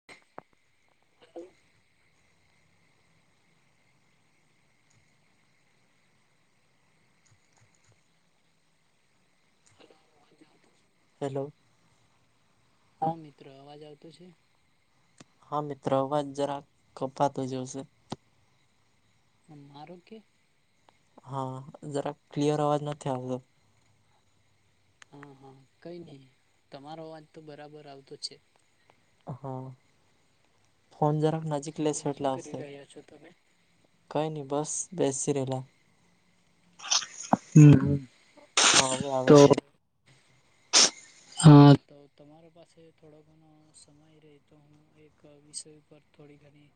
[inaudible] [inaudible] [inaudible] Hello. હા! મિત્રો અવાજ આવતો છે? હા! મિત્રો અવાજ જરા કપાતો જેવશે. હ આ રોગ્ય કે? હા! જરા ક્લિયર અવાજ નથી આવતો. હા હા! કઈ નહી. તમારો અવાજ તો બરાબર આવતો છે. હા! ફોન જરાક નજીક તો લેશો શું કરી રહ્યા છો તમે? કંઈ નહી બસ બેસીસી રહેલા. હમ હમ! હા! હવે આવે છે. હા! [inaudible] વિષય પર થોડી ઘણી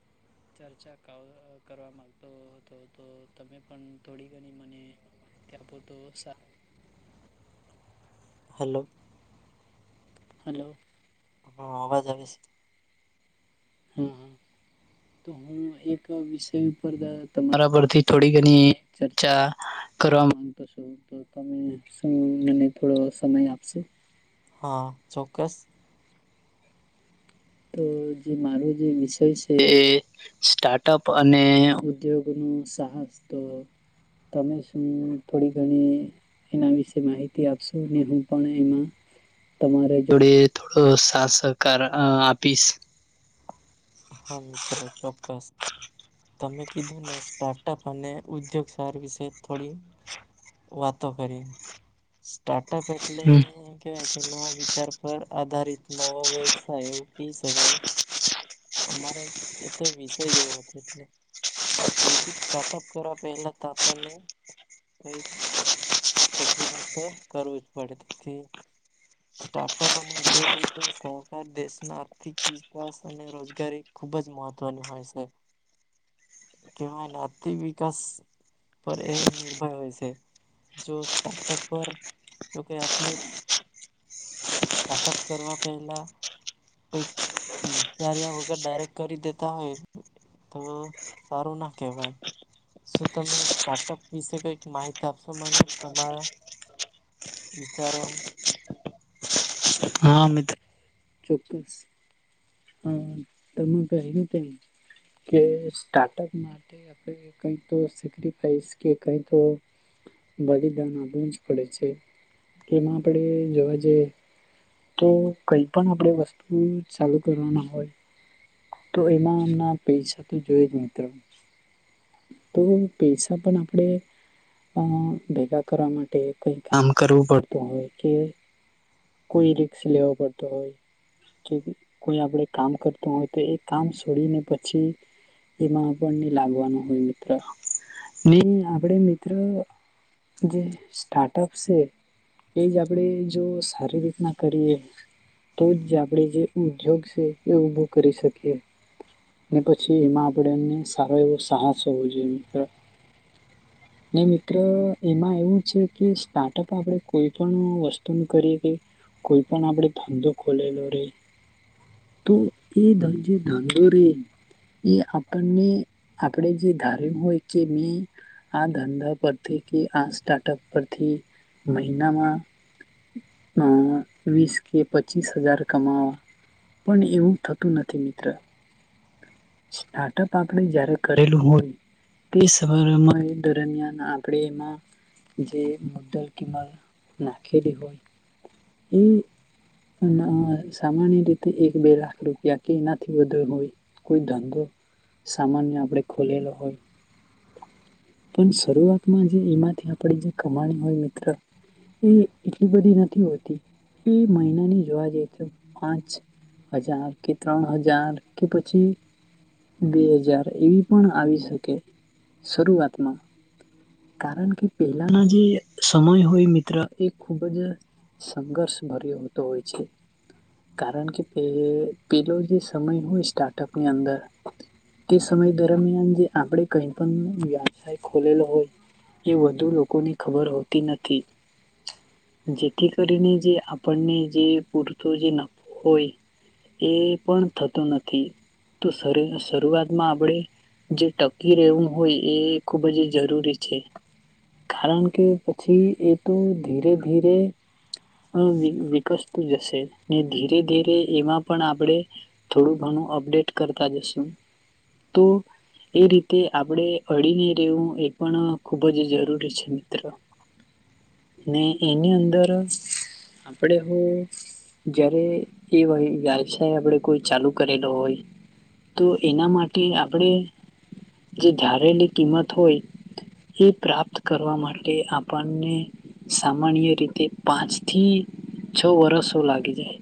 ચર્ચા ક કરવા માગતો હતો તો, તમે પણ થોડી ઘણી મને તપો તો સા હલો. હલો. હા! અવાજ આવે છે.? હા હા! તો હું એક વિષય ઉપર તમારા પરથી થોડી ઘણી ચર્ચા. કરવા માંગતો છો, તો તમે મ થોડો સમય આપશો.? હા! ચોક્કસ. તો જે મારો જે વિષય છે એ સ્ટાર્ટઅપ અને ઉદ્યોગ. ન સાહસ તો તમે શું થોડી ઘણી એના વિશે માહિતી આપશુ ને હું પણ એમાં તમારે જોડે થોડો સાહ સહકાર આપીશ હા! મિત્ર ચોક્કસ. તમે કીધું ને, સ્ટાર્ટઅપ અને ઉદ્યોગ સાર વિશે થોડી. વાતો કરી. સ્ટાર્ટઅપ એટલે કે કેનો વિચાર પર આધારિત નવો વ્યવસાય ઉકી શકે. અમારે એ તો વિષય જ એવો હતો એટલે. એટલે કોઈ બી સ્ટાર્ટઅપ કરવા પહેલા તો આપણને. [unintelligible] ફેકરીમાસ તો કરવું જ પડે તેથી. સ્ટાર્ટઅપ અને ઉદ્યોગ વચ્ચે સહકાર દેશના આર્થિક વિકાસ અને રોજગારી. ખુબ જ મહત્વની હોય છે. કેવાય આર્થિક વિકાસ પર એ નિર્ભર હોય છે. જો સ્ટાર્ટઅપ પર જો કે આપલે. સ્ટાર્ટઅપ કરવા પહેલા કઈક વિસ્તાર્યા વગર ડાયરેક્ટ કરી દેતા હોય તો સારું ના કેહેવાય શું તમે સ્ટાર્ટઅપ વિશે કઈક માહિતી આપશો મને તમારા વિચારો હા અમિત ચોક્કસ હમ પું કે સ્ટાર્ટઅપ માટે ક તો સેકિફાઈસ કે કઈ તો ભાગિદાન આપવું જ પડે છે એમાં આપણે જોવા જઈ તો કઈ પણ આપણે વસ્તુ ચાલુ કરવા ના હોય તો એમાં એમના પૈસા તો જોઈ જ મિત્રો તો પૈસા પણ આપણેે અ ભેગા કરવા માટે કઈ કામ કરવું પડતું હોય કે કોઈ રિકસ લેવો પડતો હોય કે કોઈ આપડે કામ કરતું હોય તો એ કામ છોડીને પછી એમાં આપણને લાગવાનું હોય મિત્ર ને આપણે મિત્ર જે સ્ટાર્ટઅપ છે એ જ આપણે જો સારી રીતના કરીએ તો જ આપણે જે ઉદ્યોગ છે એ ઉઊભો કરી શકીએ પછી એમાં આપણેે એમને સારો એવો સાહસ હોવો જોઈએ મિત્ર હ ને મિત્ર એમાં એવું છે કે સ્ટાર્ટઅપ આપણે કોઈ પણ વસ્તુ ન કરીએ કે કોઈ પણ આપણેે ધંધો ખોલેલો રહી તો એ ધન જે ડંગરરે એ એ આપણને આપણેે જે ધાર્યું હોય કે મેં આ ધંધા પરથી કે આ સ્ટાર્ટઅપ પરથી મહિનામાં અ વીસ કે પચીસ હજાર કમાવા પણ એવું થતું નથી મિત્ર સ્ટાર્ટઅપ આપડે જયારે કરેલું હોય એ સ દરમિયાન આપણે એમાં જે મુદલ કંમ નાખેડી હોય એ સામાન્ય રીતે એક બે લાખ રૂપિયા કે એનાથી બધો હોય કોઈ ધંધો સામાન્ય આપડે ખોલેલો હોય પણ શરૂઆતમાં જે એમાંથી આપણે જે કમાણી હોય મિત્ર એ એટલી બધી નથી હોતી એ મહિનાની જોવા જઈએ તો પાંચ હજાર કે ત્રણ હજાર કે પ પછી બે હજાર એવી પણ આવી શકે શરૂઆતમાં કારણ કે પહેલાના જે સમય હોય મિત્ર એ ખૂબ જ. સંઘર્ષ ભર્યોતો હોય છે. કારણ કે પેલો જે સમય હોય સ્ટાર્ટઅપની અંદર તે સમય દરમિયાન જે આપણે કઈ પણ વ્યવસાય ખોલેલો હોય. એ વધુ લોકોની ખબર હોતી નથી. જેથી કરીને જે આપણને જે પૂરતો જે નફો હોય. એ પણ થતું નથી. તો શરૂઆતમાં આપણેે જે ટકી રહેવું હોય એ ખુબ જ જરૂરી છે. કારણ કે પછી એ તો ધીરે ધીરે અ વિકસતું જશે ને ધીરે ધીરે એમાં પણ આપણેે થોડું ઘણું અપડેટ કરતા જશું તો એ રીતે આપણે અડીને રહેવું એ પણ ખૂબ જ જરૂરી છે મિત્રો. [inaudible] ને એની અંદર આપણેે હું જયારે એ ભય વ્યવસાય આપડે કોઈ ચાલુ કરેલો હોય. તો એના માટે આપણેે જે ધારેલી કિંમત હોય. એ પ્રાપ્ત કરવા માટે આપણને સામાન્ય રીતે પાંચ થી છ વર્ષો લાગી જાય.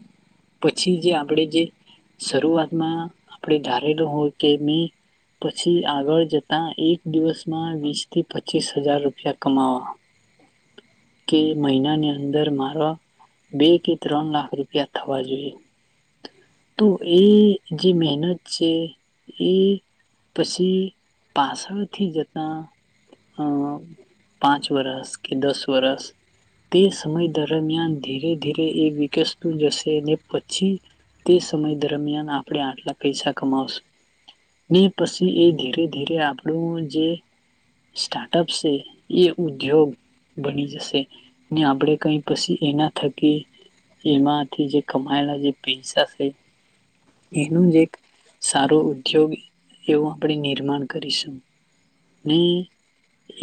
પછી જે આપણે જે શરૂઆતમાં આપણે ધારેલો હોય કે મે પછી આગળ જતા એક દિવસમાં વીસ થી પચીસ હજાર રૂપિયા કમાવા. [inaudible] કે મહિનાની અંદર મારા બે કે ત્રણ લાખ રૂપિયા થવા જોઈએ તો એ જે મહેનત છે એ પછી પાસળથી જતાં અ પાંચ વરસ કે દસ વરસ તે સમય દરમિયાન ધીરે ધીરે એ વિકસતું જશે ને પછી તે સમય દરમિયાન આપણે આટલા પૈસા કમાવશું ને પછી એ ધીરે ધીરે આપણું જે સ્ટાર્ટઅપ છે એ ઉદ્યોગ બની જશે. ને આપણેે કંઈ પછી એના થકી એમાંથી જે કમાયેલા જે પૈસા સે એનું જ એક સારો ઉદ્યોગ એવું આપણે નિર્માણ કરીશું. [unintelligible]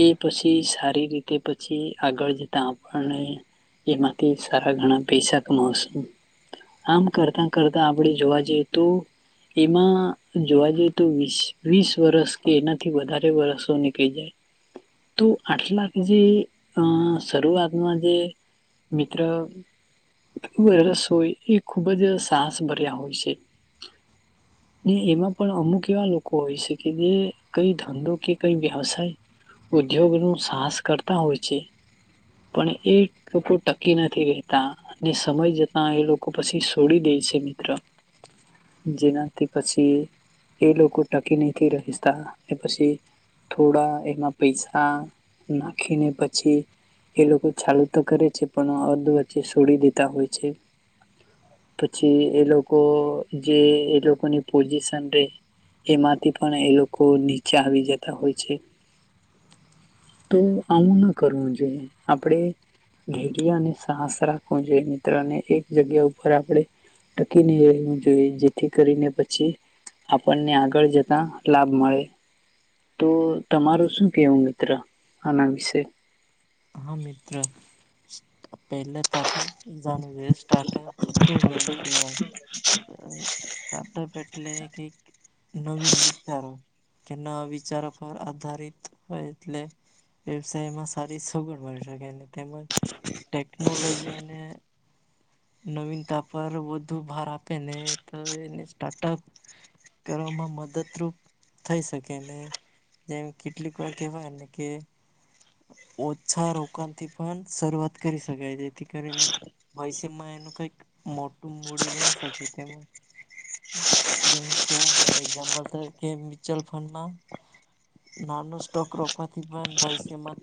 એ પછી સારી રીતે પછી આગળ જતા આપણને એમાંથી સારા ગણા પૈસા કમાશું આમ કરતા કરતા આપણેે જોવા જે તું એમાં જોવા જઈએ તો વીસ વીસ વરસ કે એનાથી વધારે વરસો નીકળી જાય. તો આટલાક જે અ શરૂઆતમાં જે મિત્ર ખુબ રસ હોય એ ખુબ જ સાહસ ભર્યા હોય છે. ને એમાં પણ અમુક એવા લોકો હોય છે કે જે કઈ ધંધો કે કઈ વ્યવસાય ઉદ્યોગ નું સાહસ કરતા હોય છે. પણ એ લોકો ટકી નથી રેતા. સમય જતા એ લોકો પછી છોડી દે છે મિત્ર. જેનાથી પછી એ લોકો ટકી નથી રહેશતા પછી થોડા એમાં પૈસા નાખીને પછી એ લોકો ચાલુ તો કરે છે પણ અર્ધ વચ્ચે છોડી દેતા હોય છે પછી એ લોકો જે એ લોકોની પોઝિશન રે એમાંથી પણ એ લોકો નીચે આવી જતા હોય છે. તો આવું ના કરવું જોઈએ આપડે ઘેર અને સાસ રાખવું જોઈએ મિત્રોને એક જગ્યા ઉપર આપણેે મૂકી રહેવું જોઈ જેથી કરીને પછી આપણને આગળ જતા લાભ મળે. તો તમારું શું કેવું મિત્ર આના વિશે. હા મિત્ર પહેલા તો આપણે જાણું જોઈએ સ્ટાર્ટઅપ શું છે એમ કેવાય. સ્ટાર્ટઅપ એટલે એક એક નવીન વિચારો. કે ના વિચારો પર આધારિત હોય એટલે વ્યવસાયમાં સ સગડ મળી શકય તેમજ ટેકનોલોજી અને નવીનતા પર વધુ ભાર આપે ને તો એને સ્ટાર્ટઅપ કરવામાં મદદરૂપ થઈ શકે ને જેમ કેટલીક વાર કહેવાયને કે ઓછા રોકાણથી પણ શરૂઆત કરી શકાય જેથી કરીને પઇ તેમાં એનું કઈક મોટું મૂળે બની શકે તેમાં જેમ કેવાય ને એક્ઝામ્પલ તો કે મ્યુચ્યુઅલ ફંડ માં નાનો સ્ટોક રોકવાથી પણ ભવિષ્યમાં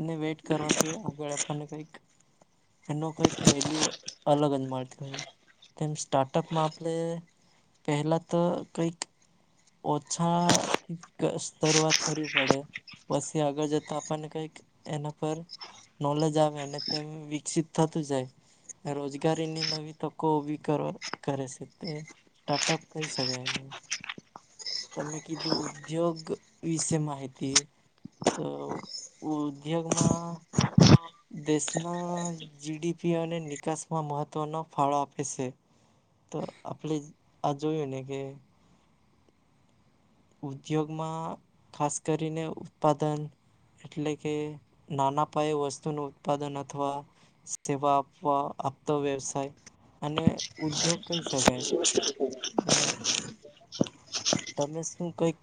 એને વેટ કરવાથી આગળ આપવાને કઈક એનો કઈક વેલ્યુ અલગ જ મળતી હોય તેમ સ્ટાર્ટઅપમાં આપણે પહેલા તો કંઈક ઓછાથી શરૂઆત કરવી પડે પછી આગળ જતા આપણને કઈક એના પર નોલેજ આવે તેમ વિકસિત થતું જાય રોજગારી ની નવી તકો ઊભી કર કરે છે તે સ્ટાર્ટઅપ કહી શકે તમે કીધું ઉદ્યોગ વિશે માહિતી તો ઉદ્યોગમાં દેશના જીડીપી અને નિકાસમાં મહત્વનો ફાળો આપે છે તો આપણે આ જોયું ને કે ઉદ્યોગમાં ખાસ કરીને ઉત્પાદન એટલે કે નાના પાયે વસ્તુનું ઉત્પાદન અથવા સેવા આપવા આપતો વ્યવસાય અને ઉદ્યોગ કહી શકાય હે તમે શું કંઈક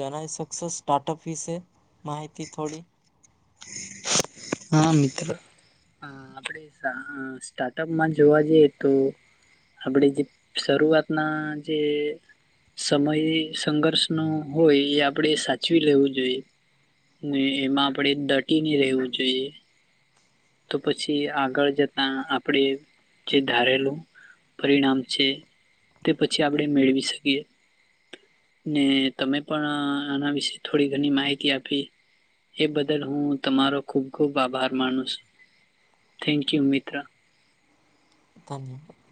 જણાવી શકશો સ્ટાર્ટઅપ વિશે માહિતી થોડી હા મિત્ર હમ સ્ટાર્ટઅપમાં જોવા જઈએ તો આપણે જે શરૂઆતના જે સમય સંઘર્ષ નો હોય એ આપણેે સાચવી લેવું જોઈએ એમાં આપણેે દટીને રહેવું જોઈએ તો પછી આગળ જતા આપણે જે ધારેલું પરિણામ છે તે પછી આપણે મેળવી શકીએ. ને તમે પણ આના વિશે થોડી ઘણી માહિતી આપી. એ બદલ હું તમારો ખુબ ખુબ આભાર માનું છું. થેન્કયુ મી ક્યાં? ધન્યવાદ